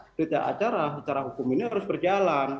berita acara secara hukum ini harus berjalan